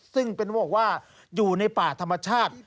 ซึ่งเป็นเขาบอกว่าอยู่ในป่าธรรมชาติ